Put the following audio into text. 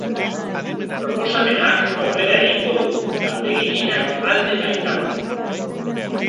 Proposamenak aurrera egingo du, talde gehienak alde baitaude.